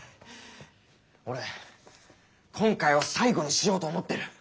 俺今回を最後にしようと思ってる！